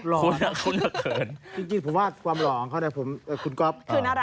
หล่ออะจริงผมว่าความหล่อค่อนข้างพี่ก๊อปคือนรักแหละ